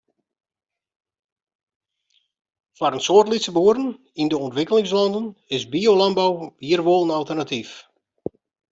Foar in soad lytse boeren yn de ûntwikkelingslannen is biolânbou wier wol in alternatyf.